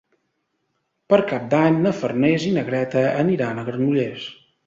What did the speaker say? Per Cap d'Any na Farners i na Greta aniran a Granollers.